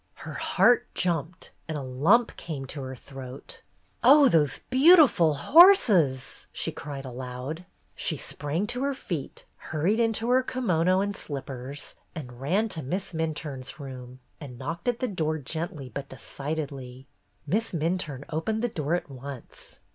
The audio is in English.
Her heart jumped, and a lump came to her throat. ''Oh, those beautiful horses!'' she cried aloud. She sprang to her feet, hurried into her kimono and slippers, and ran to Miss Min turne's room, and knocked at the door gently but decidedly. Miss Minturne opened the door at once.